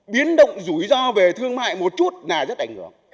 biến động rủi ro về thương mại một chút là rất ảnh hưởng